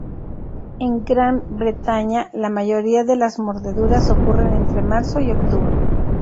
En Gran Bretaña, la mayoría de las mordeduras ocurre entre marzo y octubre.